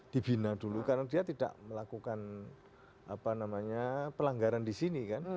dibina dulu karena dia tidak melakukan pelanggaran di sini kan